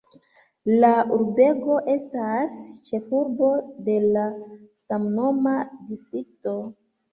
La urbego estas ĉefurbo de la samnoma distrikto.